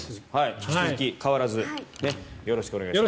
引き続き、変わらずよろしくお願いします。